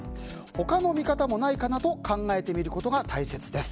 他の見方もないかなと考えてみることが大切です。